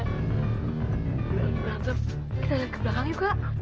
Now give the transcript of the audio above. kita lihat ke belakang yuk kak